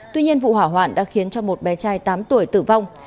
tuy nhiên vụ hỏa hoạn đã khiến cho một bé trai tám tuổi tử vong